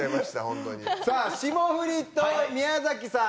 さあ霜降りと宮さん。